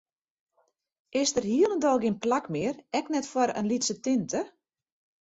Is der hielendal gjin plak mear, ek net foar in lytse tinte?